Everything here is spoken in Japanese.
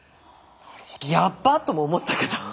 「やっば！」とも思ったけど。